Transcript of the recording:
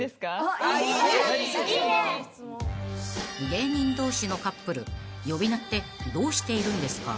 ［芸人同士のカップル呼び名ってどうしているんですか？］